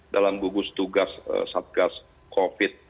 dalam gugus tugas satgas covid